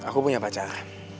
aku punya pacar